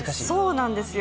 そうなんですよ。